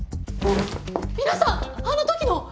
皆さんあの時の！